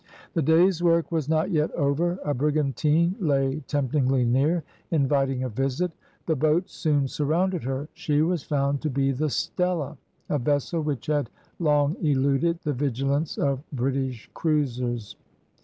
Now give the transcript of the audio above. The day's work was not yet over; a brigantine lay temptingly near, inviting a visit. The boats soon surrounded her, she was found to be the Stella, a vessel which had long eluded the vigilance of British cruisers.